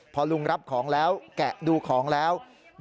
พอลุงรับของแล้วแกะดูของแล้ว